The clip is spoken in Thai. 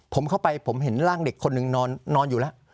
ผมเข้าไปผมเห็นร่างเด็กคนหนึ่งนอนอยู่แล้ว